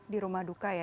di rumah duka ya